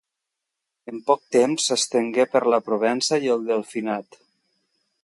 En poc temps, s'estengué per la Provença i el Delfinat.